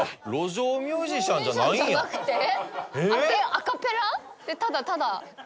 アカペラでただただ？